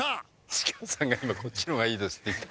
石川さんが今こっちの方がいいですって。